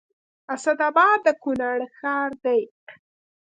اسداباد د کونړ ښار دی